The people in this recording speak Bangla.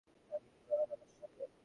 আপনি কি যাবেন আমার সঙ্গে?